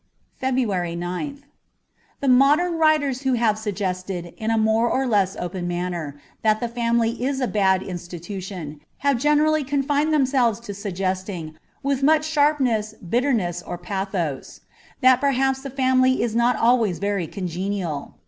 44 FEBRUARY 9th THE modern writers who have suggested, in a more or less open manner, that the family is a bad institution, have generally confined themselves to suggesting, with much sharp ness, bitterness, or pathos, that perhaps the family is not always very congenial.